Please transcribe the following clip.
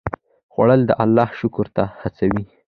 خوړل د الله شکر ته هڅوي